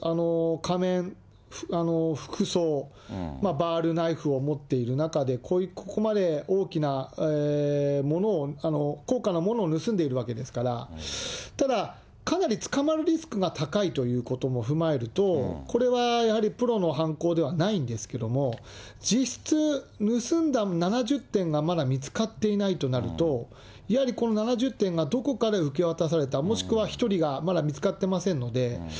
仮面、服装、バール、ナイフを持っている中で、ここまで大きなものを、高価なものを盗んでいるわけですから、ただ、かなり捕まるリスクが高いということも踏まえると、これはやはりプロの犯行ではないんですけれども、実質、盗んだ７０点がまだ見つかっていないとなると、やはりこの７０点がどこかで受け渡された、もしくは１人がまだ見つかってませんので。